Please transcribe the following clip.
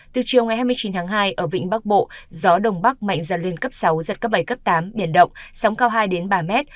từ chiều ngày hai mươi chín tháng hai ở vĩnh bắc bộ gió đông bắc mạnh dần lên cấp sáu giật cấp bảy cấp tám biển động sóng cao hai ba mét